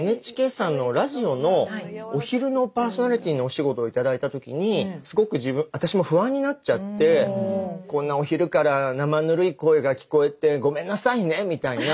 ＮＨＫさんのラジオのお昼のパーソナリティーのお仕事を頂いた時にすごく自分私も不安になっちゃってこんなお昼からなまぬるい声が聞こえてごめんなさいねみたいな